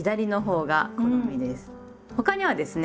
他にはですね